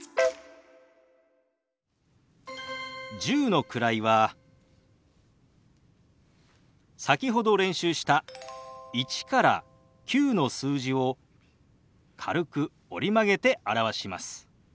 １０の位は先ほど練習した１から９の数字を軽く折り曲げて表します。